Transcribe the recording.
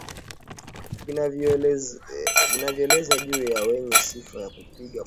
vinavyoeleza juu ya wenye sifa ya kupiga kura